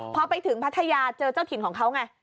พอไปถึงพัทยาเจอเจ้าถิ่นของเขาไง